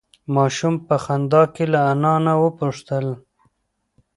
ماشوم په خندا کې له انا نه وپوښتل.